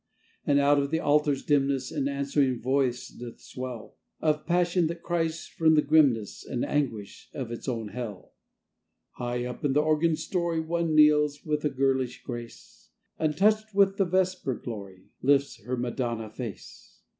And out of the altar's dimness An answering voice doth swell, Of passion that cries from the grimness And anguish of its own hell. High up in the organ story One kneels with a girlish grace; And, touched with the vesper glory, Lifts her madonna face.